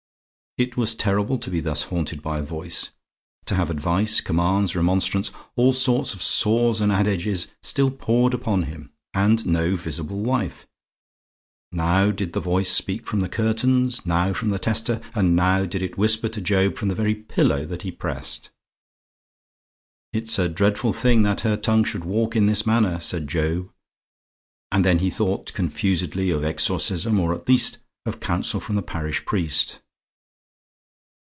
It was terrible to be thus haunted by a voice: to have advice, commands, remonstrance, all sorts of saws and adages still poured upon him, and no visible wife. Now did the voice speak from the curtains; now from the tester; and now did it whisper to Job from the very pillow that he pressed. "It's a dreadful thing that her tongue should walk in this manner," said Job, and then he thought confusedly of exorcism, or at least of counsel from the parish priest.